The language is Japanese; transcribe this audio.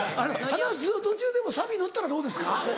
話の途中でもサビ乗ったらどうですか？